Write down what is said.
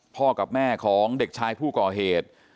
กับแม่ของเด็กชายผู้ก่อเหตุ